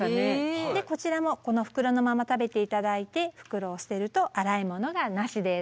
こちらもこの袋のまま食べて頂いて袋を捨てると洗い物がなしです。